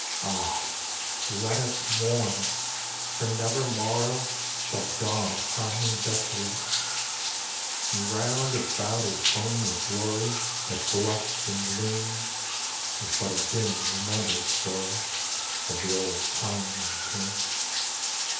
(Ah, let us mourn! for never morrow Shall dawn upon him desolate !) And round about his home the glory That blushed and bloomed, Is but a dim remembered story Of the old time entombed.